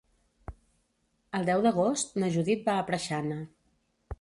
El deu d'agost na Judit va a Preixana.